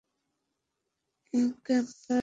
ক্যাম্পের প্রথম দিন।